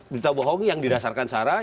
berita bohong yang didasarkan sarah